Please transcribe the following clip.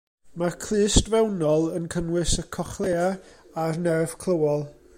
Mae'r clust fewnol yn cynnwys y cochlea a'r nerf clywol.